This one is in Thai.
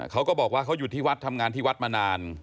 เขาก็บอกว่าเขาอยู่ที่วัดทำงานที่วัดมานาน